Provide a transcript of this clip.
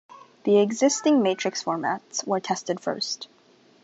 The existing matrix formats were tested first.